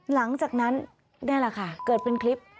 หลังจากนั้นนี่แหละค่ะเกิดเป็นคลิป